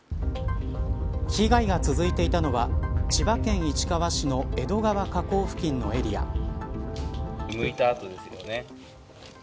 被害が続いていたのは千葉県市川市の江戸川河口付近のエリア。